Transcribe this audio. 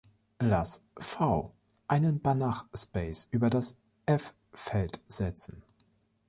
Lass „V“ einen Banach-Space über das „F“-Feld setzen.